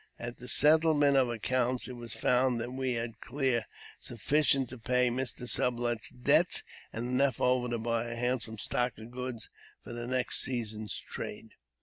At the settlement of accounts, it was found that we had cleared sufficient to pay Mr. Sublet's debts, and enough over to buy a handsome stock of goods for the next season's trade.